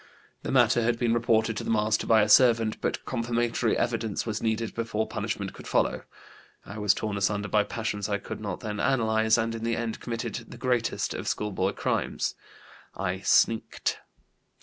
The matter had been reported to the master by a servant, but confirmatory evidence was needed before punishment could follow. I was torn asunder by passions I could not then analyze and in the end committed the greatest of schoolboy crimes, I sneaked.